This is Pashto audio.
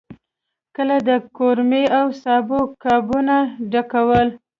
کله د قورمې او سابو قابونه ډکول.